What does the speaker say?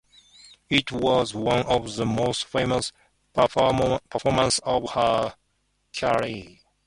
It was one of the most famous performances of her career.